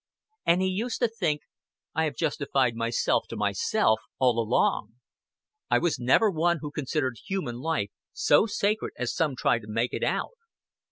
And he used to think: "I have justified myself to myself all along. I was never one who considered human life so sacred as some try to make out.